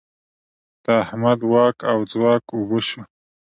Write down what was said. د احمد واک او ځواک اوبه شو.